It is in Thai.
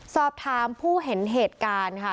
สอบถามผู้เห็นเหตุการณ์ค่ะ